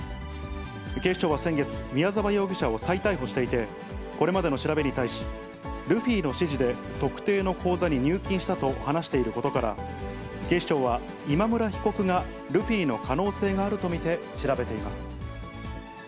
警視庁は先月、宮沢容疑者を再逮捕していて、これまでの調べに対し、ルフィの指示で、特定の口座に入金したと話していることから、警視庁は今村被告がルフィの可能性があると見て、調べています。